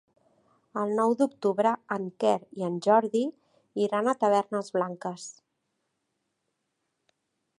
El nou d'octubre en Quer i en Jordi iran a Tavernes Blanques.